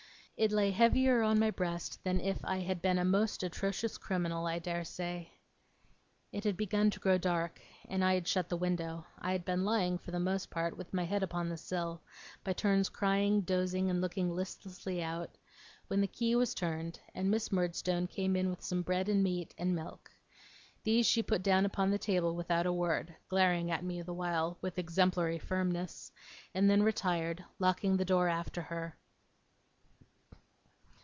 It lay heavier on my breast than if I had been a most atrocious criminal, I dare say. It had begun to grow dark, and I had shut the window (I had been lying, for the most part, with my head upon the sill, by turns crying, dozing, and looking listlessly out), when the key was turned, and Miss Murdstone came in with some bread and meat, and milk. These she put down upon the table without a word, glaring at me the while with exemplary firmness, and then retired, locking the door after her.